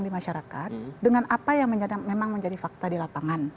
di masyarakat dengan apa yang memang menjadi fakta di lapangan